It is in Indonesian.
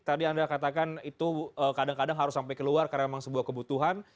tadi anda katakan itu kadang kadang harus sampai keluar karena memang sebuah kebutuhan